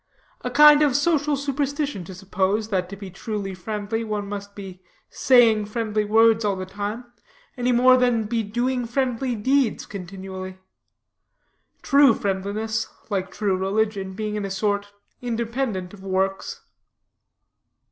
A kind of social superstition, to suppose that to be truly friendly one must be saying friendly words all the time, any more than be doing friendly deeds continually. True friendliness, like true religion, being in a sort independent of works.